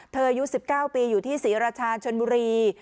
อายุ๑๙ปีอยู่ที่ศรีราชาชนบุรี